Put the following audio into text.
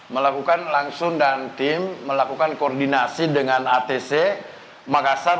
melakukan langsung dan tim melakukan koordinasi dengan atc makassar